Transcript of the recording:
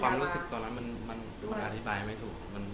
ความรู้สึกตอนนั้นมันอธิบายไม่ถูก